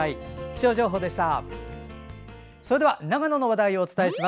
気象情報でした。